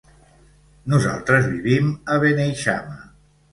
Nosaltres vivim a Beneixama.